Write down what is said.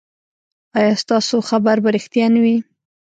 ایا ستاسو خبر به ریښتیا نه وي؟